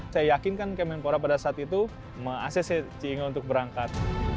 saya yakin kan kemenpora pada saat itu mengakses ciengol untuk berangkat